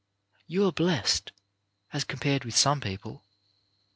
You are blessed, as compared with some people.